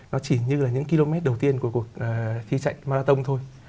nó chỉ như là những km đầu tiên của cuộc thi chạy marathon thôi